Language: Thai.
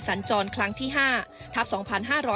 สัญจรครั้งที่๕ทัพ๒๕๖๒